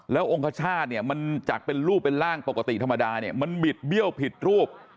แล้วองคชาติเนี่ยมันจากเป็นรูปเป็นร่างปกติธรรมดาเนี่ยมันบิดเบี้ยวผิดรูป